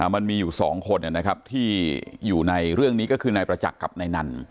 มันมีอยู่๒คนที่อยู่ในเรื่องนี้ก็คือนายประจักษ์กับนายนัน